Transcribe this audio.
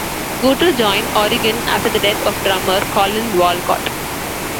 Gurtu joined Oregon after the death of drummer Collin Walcott.